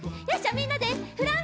みんなでフラミンゴ！